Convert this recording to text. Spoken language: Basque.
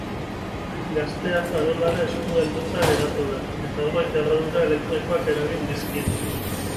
Gaztea farolara eskua helduta geratu da, eta horrek erredura elektrikoak eragin dizkio.